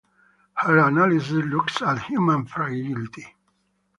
Her analysis looks at human fragility.